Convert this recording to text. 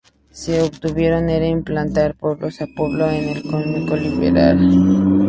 Su objetivo era implantar pueblo a pueblo el comunismo libertario.